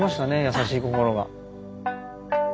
優しい心が。